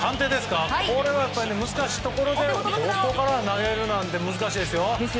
これは難しいところでここから投げるなんて難しいですよ。